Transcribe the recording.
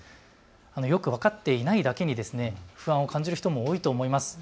よく分かっていないだけに不安を感じる人も多いと思います。